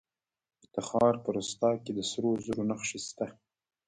د تخار په رستاق کې د سرو زرو نښې شته.